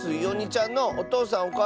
おにちゃんのおとうさん